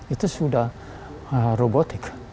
itu sudah robotik